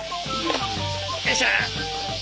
よいしょ。